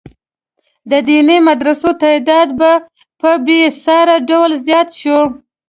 د دیني مدرسو تعداد په بې ساري ډول زیات شو.